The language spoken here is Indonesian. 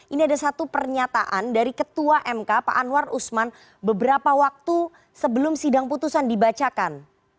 ini ada satu pernyataan dari ketua mk pak anwar usman beberapa waktu sebelum sidang putusan dibacakan